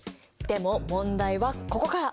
でも問題はここから。